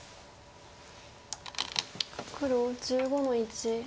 黒１５の一。